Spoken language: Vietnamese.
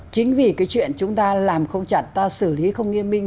chính vì cái chuyện chúng ta làm không chặt ta xử lý không nghiêm minh